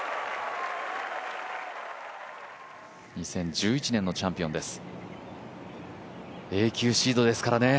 ２０１１年のチャンピオンです。